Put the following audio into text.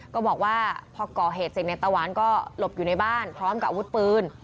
ก็บอกว่าพอก่อเหตุเสร็จในตะหวานก็หลบอยู่ในบ้านพร้อมกับอาวุธปืน